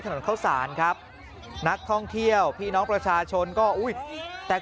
ถนนเข้าสารครับนักท่องเที่ยวพี่น้องประชาชนก็อุ้ยแต่